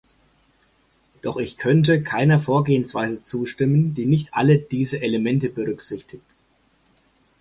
Doch ich könnte keiner Vorgehensweise zustimmen, die nicht alle diese Elemente berücksichtigt.